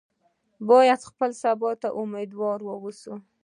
باید خپلې سبا ته امیدواره واوسو.